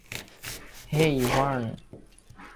হেই, Verne.